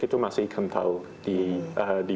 itu masih kental di